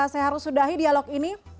saya harus sudahi dialog ini